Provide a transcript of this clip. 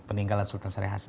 peninggalan sultan saraik hashim